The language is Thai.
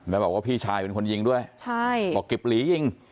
แล้วบอกว่าพี่ชายเป็นคนยิงด้วยใช่บอกกิบหลียิง